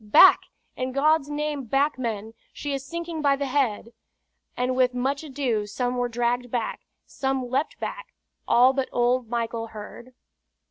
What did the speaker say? "Back! in God's name back, men! She is sinking by the head!" And with much ado some were dragged back, some leaped back all but old Michael Heard.